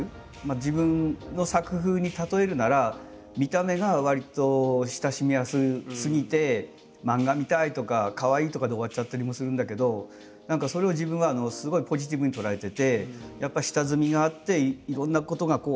自分の作風に例えるなら見た目がわりと親しみやすすぎて漫画みたいとかかわいいとかで終わっちゃったりもするんだけど何かそれを自分はすごいポジティブに捉えてて。